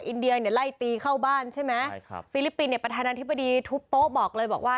อินเดียเนี่ยไล่ตีเข้าบ้านใช่ไหมใช่ครับฟิลิปปินส์เนี่ยประธานาธิบดีทุบโต๊ะบอกเลยบอกว่า